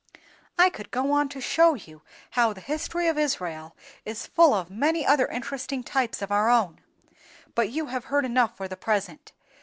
I could go on to show you how the history of Israel is full of many other interesting types of our own, but you have heard enough for the present.